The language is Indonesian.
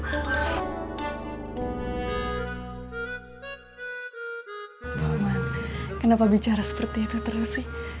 kenapa bicara seperti itu terus sih